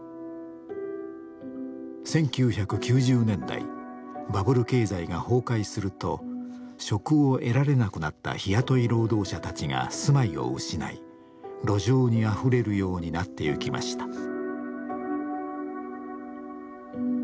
１９９０年代バブル経済が崩壊すると職を得られなくなった日雇い労働者たちが住まいを失い路上にあふれるようになっていきました。